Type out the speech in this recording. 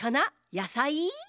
やさい？